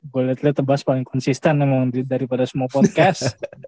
gue liat liat tebas paling konsisten daripada semua podcast